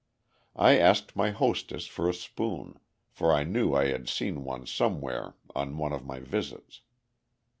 I asked my hostess for a spoon, for I knew I had seen one somewhere on one of my visits.